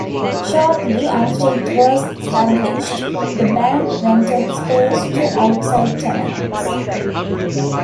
Shortly after it was established, the bank rented space to outside tenants.